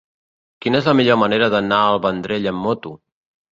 Quina és la millor manera d'anar al Vendrell amb moto?